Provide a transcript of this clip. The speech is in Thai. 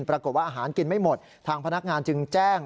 ปรากฏว่าอาหารกินไม่หมดทางพนักงานจึงแจ้ง